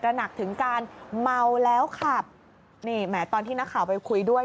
หนักถึงการเมาแล้วขับนี่แหมตอนที่นักข่าวไปคุยด้วย